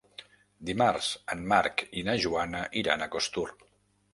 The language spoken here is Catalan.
Dimarts en Marc i na Joana iran a Costur.